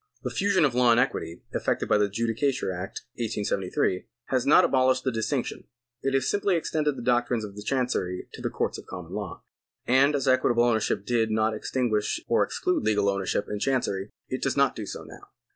The fusion of law and equity effected by the Judicature Act, 1873, has not abolished this distinc tion ; it has simply extended the doctrines of the Chancery to the courts of common law, and as equitable ownership did not extinguish or exclude legal ownership in Chancery, it does not do so now.